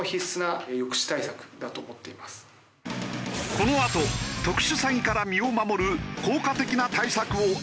このあと特殊詐欺から身を守る効果的な対策を徹底解説。